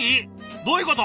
どういうこと！？